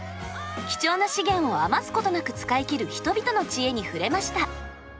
貴重な資源を余すことなく使い切る人々の知恵に触れました。